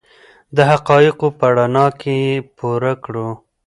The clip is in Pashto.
د حقایقو په رڼا کې یې پوره کړو.